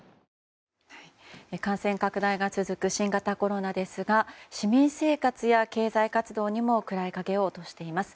感染拡大が続く新型コロナですが市民生活や経済活動にも暗い影を落としています。